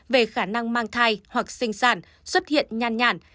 về khả năng mang thai hoặc sinh sản xuất hiện nhàn nhàn